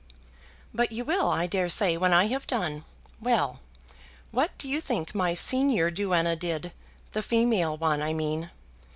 "But you will, I dare say, when I have done. Well; what do you think my senior duenna did, the female one, I mean?